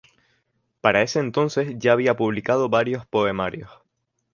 Para ese entonces ya había publicado varios poemarios.